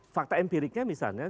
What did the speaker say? fakta empiriknya misalnya